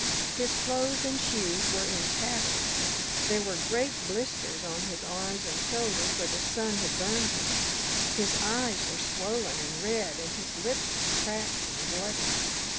His clothes and shoes were in tatters; there were great blisters on his arms and shoulders where the sun had burned him; his eyes were swollen and red, and his lips were cracked and bloody.